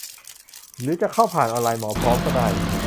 หรือจะเข้าผ่านไลน์ หมอพร้อม ก็ได้